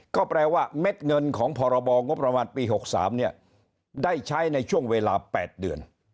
ก็แปลว่าเม็ดเงินของพรบงบประมาณปี๖๓ได้ใช้ในช่วงเวลา๘เดือน